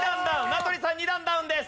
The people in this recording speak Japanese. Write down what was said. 名取さん２段ダウンです。